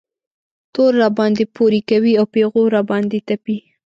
تور راباندې پورې کوي او پېغور را باندې تپي.